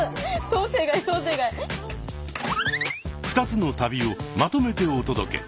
２つの旅をまとめてお届け。